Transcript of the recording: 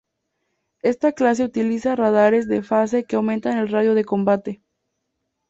Esta clase utiliza radares de fase que aumentan el radio de combate.